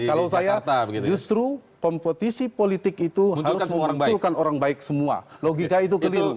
kalau saya justru kompetisi politik itu harus memunculkan orang baik semua logika itu keliru